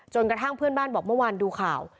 กระทั่งเพื่อนบ้านบอกเมื่อวานดูข่าว